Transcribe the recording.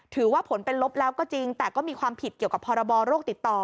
ถือว่าผลเป็นลบแล้วก็จริงแต่ก็มีความผิดเกี่ยวกับพรบโรคติดต่อ